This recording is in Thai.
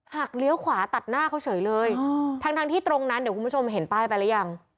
เลี้ยวขวาตัดหน้าเขาเฉยเลยทั้งทั้งที่ตรงนั้นเดี๋ยวคุณผู้ชมเห็นป้ายไปหรือยัง